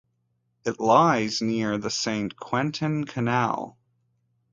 It lies near the Saint Quentin Canal.